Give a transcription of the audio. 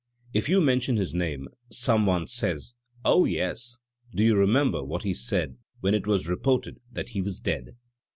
If you mention his name, some one says, 0h, yes! do you remem ber what he said when it was reported that he was dead?